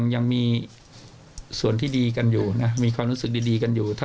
ยังมีส่วนที่ดีกันอยู่นะมีความรู้สึกดีกันอยู่